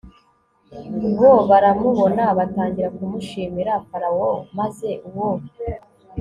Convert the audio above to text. bo baramubona batangira kumushimira Farawo maze uwo